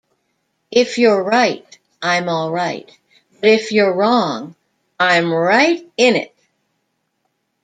If you're right, I'm alright; but if you're wrong, I'm right in it!